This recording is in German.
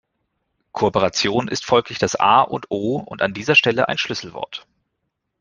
Kooperation ist folglich das A und O und an dieser Stelle ein Schlüsselwort.